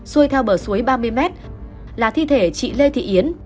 xui theo bờ suối ba mươi m là thi thể chị lê thị yến